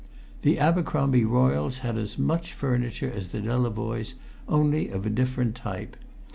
The Abercromby Royles had as much furniture as the Delavoyes, only of a different type.